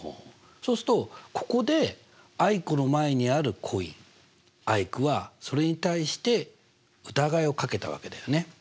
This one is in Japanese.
そうするとここでアイクの前にあるコインアイクはそれに対して疑いをかけたわけだよね。